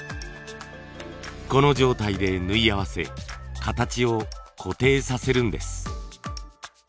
この状態で縫い合わせ形を固定させるんです。